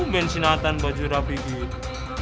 uben si nathan baju rapi gitu